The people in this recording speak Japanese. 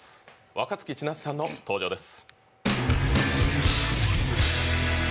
若槻千夏さんの登場です。